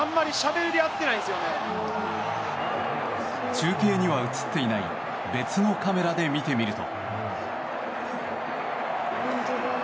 中継には映っていない別のカメラで見てみると。